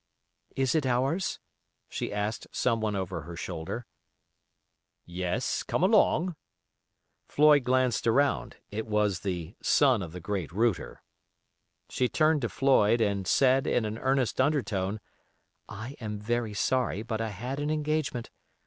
"Is it ours?" she asked someone over her shoulder. "Yes, come along." Floyd glanced around. It was the "son of the great Router". She turned to Floyd, and said, in an earnest undertone, "I am very sorry; but I had an engagement.